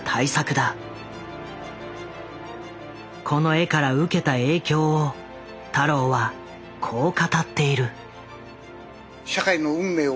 この絵から受けた影響を太郎はこう語っている。